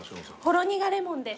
ほろにがレモンです。